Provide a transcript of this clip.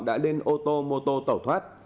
đã lên ô tô mô tô tẩu thoát